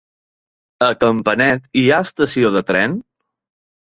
A Campanet hi ha estació de tren?